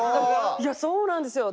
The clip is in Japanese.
いやそうなんですよ。